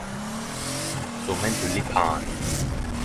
Som ein tulipan.